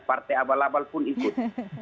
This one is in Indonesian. partai abal abal pun ikut